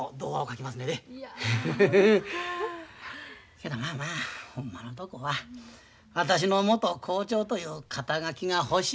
けどまあまあほんまのとこは私の元校長という肩書が欲しい